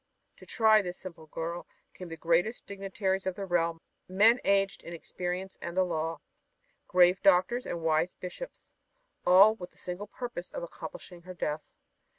To try this simple girl came the greatest dignitaries of the realm men aged in experience and the law, grave doctors and wise bishops, all with the single purpose of accomplishing her death.